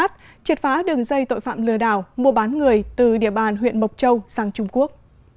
triệt phá đường dây tội phạm lừa đảo mua bán người từ địa bàn huyện mộc châu sang trung quốc